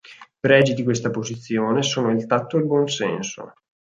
Pregi di questa posizione sono il tatto e il buon senso.